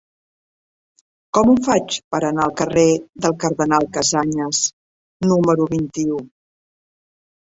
Com ho faig per anar al carrer del Cardenal Casañas número vint-i-u?